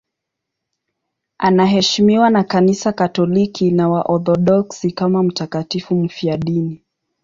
Anaheshimiwa na Kanisa Katoliki na Waorthodoksi kama mtakatifu mfiadini.